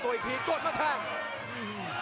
หัวจิตหัวใจแก่เกินร้อยครับ